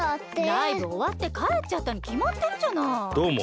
ライブおわってかえっちゃったにきまってるじゃない。